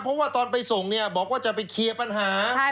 เพราะว่าตอนไปส่งเนี่ยบอกว่าจะไปเคลียร์ปัญหา